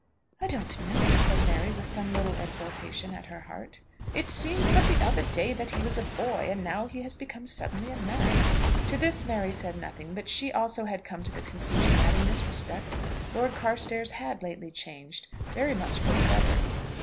"I don't know," said Mary, with some little exultation at her heart. "It seems but the other day that he was a boy, and now he has become suddenly a man." To this Mary said nothing; but she also had come to the conclusion that, in this respect, Lord Carstairs had lately changed, very much for the better.